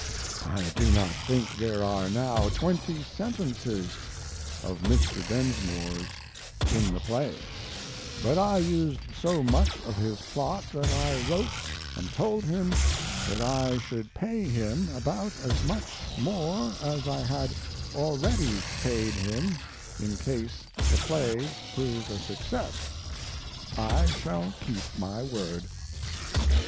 I do not think there are now twenty sentences of Mr. Densmore's in the play, but I used so much of his plot that I wrote and told him that I should pay him about as much more as I had already paid him in case the play proved a success. I shall keep my word.